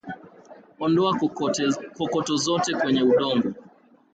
Ondoa kokoto zote kwenye udongo